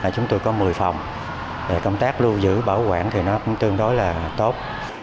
chúng tôi có một mươi phòng công tác lưu giữ bảo quản thì nó cũng tương đối là tốt